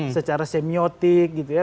secara semiotik gitu ya